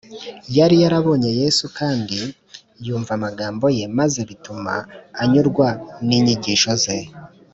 yari yarabonye yesu kandi yumva amagambo ye, maze bituma anyurwa n’inyigisho ze,